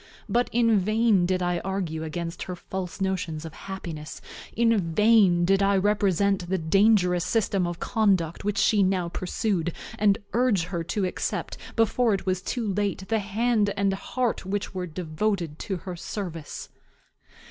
But in vain did I argue against her false notions of happiness, in vain did I represent the dangerous system of conduct which she now pursued, and urge her to accept, before it was too late, the hand and heart which were devoted to her service.